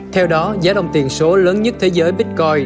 theo đó giá đồng tiền số lớn nhất thế giới bitcoin